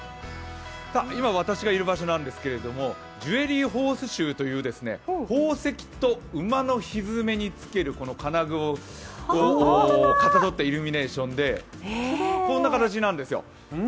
今私がいる場所なんですけれども、ジュエリー・ホースシューという宝石と馬のひづめにつけるものをかたどったイルミネーションでこんな形なんですよ。